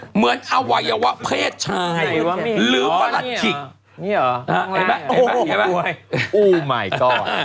เหมือนอวัยวะเพศชายหรือประหลักฐิก